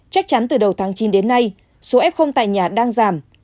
chắc chắn từ đầu tháng chín đến nay số f tại nhà đang giảm